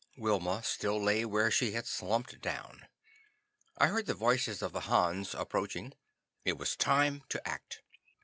Wilma still lay where she had slumped down. I heard the voices of the Hans approaching. It was time to act.